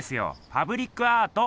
パブリックアート！